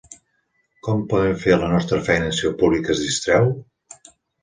Com podem fer la nostra feina si el públic es distreu?